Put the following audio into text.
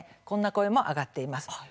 こんな声も上がっています。